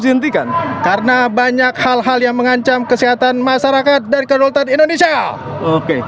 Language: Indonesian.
dihentikan karena banyak hal hal yang mengancam kesehatan masyarakat dan kedaulatan indonesia oke